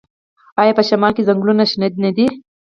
آیا په شمال کې ځنګلونه شنه نه دي؟